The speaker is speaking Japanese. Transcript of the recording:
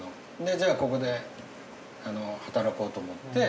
じゃあここで働こうと思って。